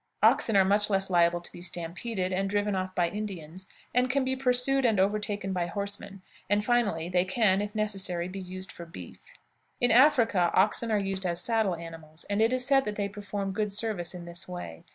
Oxen are much less liable to be stampeded and driven off by Indians, and can be pursued and overtaken by horsemen; and, finally, they can, if necessary, be used for beef. In Africa oxen are used as saddle animals, and it is said that they perform good service in this way.